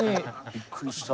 びっくりした。